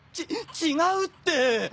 ち違うって！